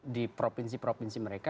di provinsi provinsi mereka